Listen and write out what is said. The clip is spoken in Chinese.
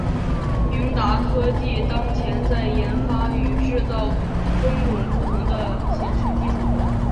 平达科技当前正在研发与制造更种不同的显示技术。